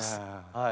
はい！